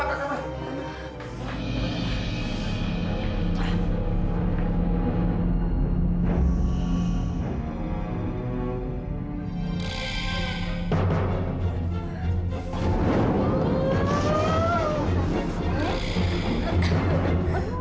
aduh mama sik